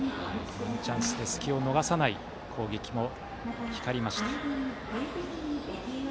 ワンチャンスで隙を逃さない攻撃も光りました、花巻東。